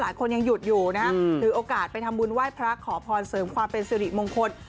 หลายคนยังหยุดอยู่นะฮะถือโอกาสไปทำบุญไหว้พระขอพรเสริมความเป็นสิริมงคล